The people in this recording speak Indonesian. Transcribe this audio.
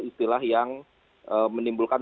istilah yang menimbulkan